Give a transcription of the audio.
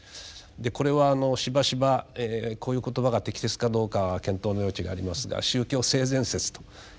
でこれはしばしばこういう言葉が適切かどうかは検討の余地がありますが宗教性善説と言ったりしていますがね。